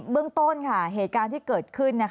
มันเป็นแบบที่สุดท้าย